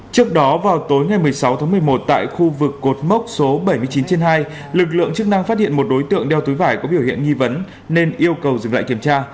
trước đó vào tối ngày một mươi sáu tháng một mươi một tại khu vực cột mốc số bảy mươi chín trên hai lực lượng chức năng phát hiện một đối tượng đeo túi vải có biểu hiện nghi vấn nên yêu cầu dừng lại kiểm tra